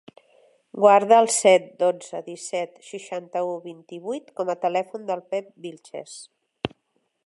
Guarda el set, dotze, disset, seixanta-u, vint-i-vuit com a telèfon del Pep Vilchez.